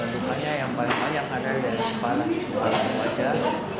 lukanya yang paling banyak ada di sepala di wajah